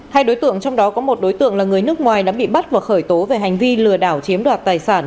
hai đối tượng trong đó có một đối tượng là người nước ngoài đã bị bắt và khởi tố về hành vi lừa đảo chiếm đoạt tài sản